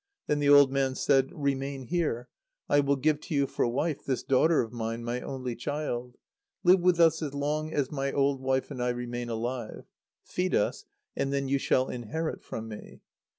Then the old man said: "Remain here. I will give to you for wife this daughter of mine, my only child. Live with us as long as my old wife and I remain alive. Feed us, and then you shall inherit from me."